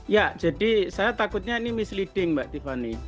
ya jadi saya takutnya ini misleading mbak tiffany